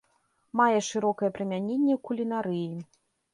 Мае шырокае прымяненне ў кулінарыі.